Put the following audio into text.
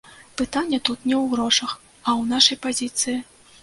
Пытанне тут не ў грошах, а ў нашай пазіцыі.